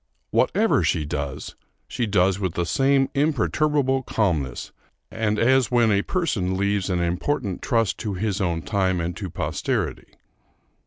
Whatever she does, she does with the same imperturbable calmness, and as when a person leaves an important trust to his own time and to posterity.